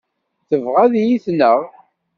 Tebɣa ad iyi-tneɣ.